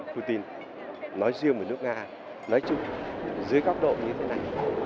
tôi tin nói riêng với nước nga nói chung dưới góc độ như thế này